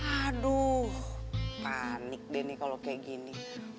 aduh panik deh nih kalau kayak gini